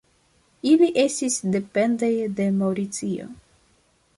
Ili estis dependaj de Maŭricio.